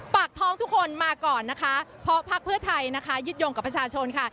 ปากท้องทุกคนมาก่อนนะคะเพราะพักเพื่อไทยนะคะยึดโยงกับประชาชนค่ะ